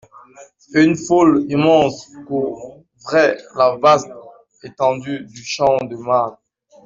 Une foule immense couvrait la vaste étendue du Champ-de-Mars.